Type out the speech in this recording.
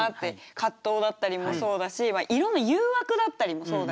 葛藤だったりもそうだしいろんな誘惑だったりもそうだし。